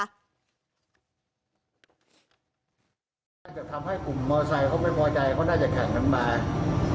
จะทำให้กลุ่มมอเตอร์ไซค์เขาไม่พอใจเขาน่าจะแข่งเงินมา